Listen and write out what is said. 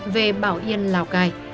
về bảo yên lào cai